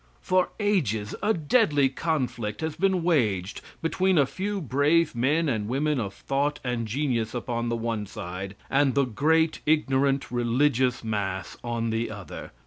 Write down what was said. For ages, a deadly conflict has been waged between a few brave men and women of thought and genius upon the one side, and the great ignorant religious mass on the other.